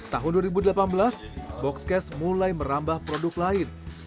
tahun dua ribu delapan belas boxcase mulai merambah produk lain